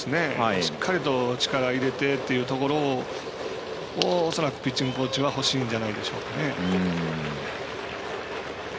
しっかりと力入れてというところを恐らくピッチングコーチは欲しいんじゃないでしょうかね。